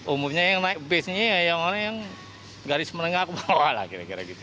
umumnya yang naik busnya yang garis menengah ke bawah lah kira kira gitu